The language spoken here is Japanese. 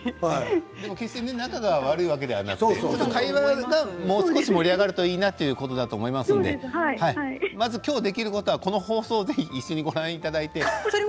でも決して仲が悪いわけではなくて会話がもう少し盛り上がるといいなということだと思いますのでまず今日できることはこの放送をぜひ一緒にご覧いただいて。